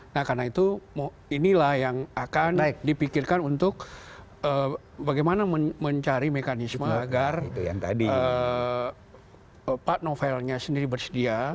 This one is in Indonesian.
nah karena itu inilah yang akan dipikirkan untuk bagaimana mencari mekanisme agar pak novelnya sendiri bersedia